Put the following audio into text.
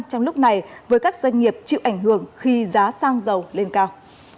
trong lúc này với các doanh nghiệp chịu ảnh hưởng khi giá xăng dầu lên cao